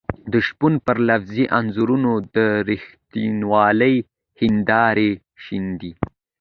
د شپون پر لفظي انځورونو د رښتینولۍ هېندارې شيندي.